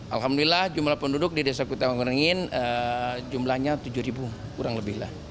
alhamdulillah jumlah penduduk di desa kutawaringin jumlahnya tujuh kurang lebih lah